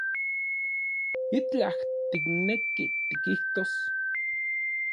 ¿Itlaj tikneki tikijtos?